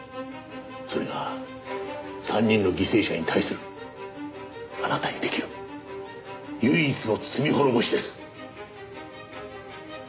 それが３人の犠牲者に対するあなたに出来る唯一の罪滅ぼしです。